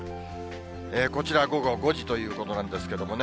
こちら午後５時ということなんですけれどもね。